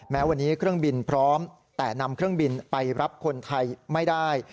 แม้วันนี้เครื่องบินพร้อมแต่นำเครื่องบินไปรับคนไทยไม่ได้